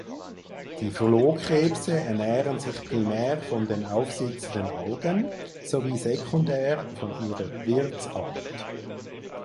Die Flohkrebse ernähren sich primär von den aufsitzenden Algen sowie sekundär von ihrer Wirtsart.